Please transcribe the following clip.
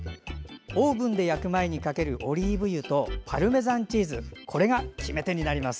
オーブンで焼く前にかけるオリーブ油とパルメザンチーズが決め手になります。